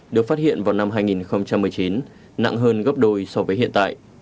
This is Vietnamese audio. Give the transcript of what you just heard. được phát hiện vào năm hai nghìn một mươi chín nặng hơn gấp đôi so với hiện tại